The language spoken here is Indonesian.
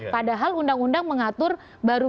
padahal undang undang mengatur baru